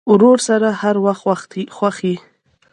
ورور سره هر وخت خوښ یې.